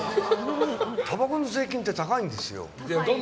たばこの税金って高いんですよ。